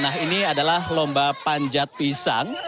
nah ini adalah lomba panjat pisang